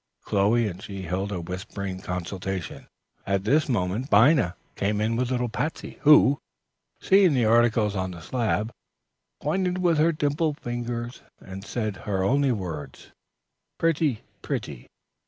Chloe and she held a whispering consultation. At this moment Binah came in with little Patsey, who, seeing the articles on the slab, pointed with her dimpled fingers, and said her only words, "Pretty! pretty!"